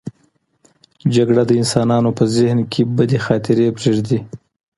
جګړه د انسانانو په ذهن کې بدې خاطرې پرېږدي.